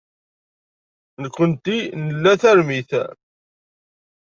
Nekkenti nla tarmit.